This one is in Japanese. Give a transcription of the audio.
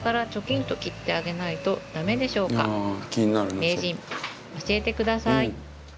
名人教えて下さい。